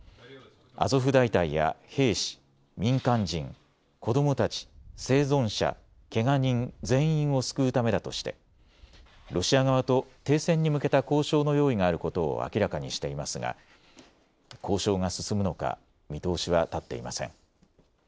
アゾフ大隊や兵士、民間人、子どもたち、生存者、けが人、全員を救うためだとしてロシア側と停戦に向けた交渉の用意があることを明らかにしていますが交渉が進むのか見通しは立っていません。